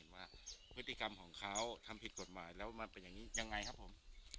วิธีกรรมของเขาทำผิดกฎหมายแล้วมันเป็นยังไงครับผม